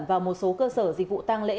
vào một số cơ sở dịch vụ tăng lễ